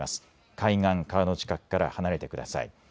海岸、川の近くから離れてください。